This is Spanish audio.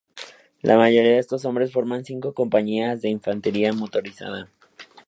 La mayoría de estos hombres forman cinco compañías de infantería motorizada.